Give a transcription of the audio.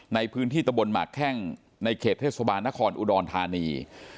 ในพื้นที่ตะบนหมากแข้งในเขตเทศบาลนครอุดรธานี